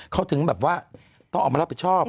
เขาถึงแบบว่าต้องออกมารับผิดชอบ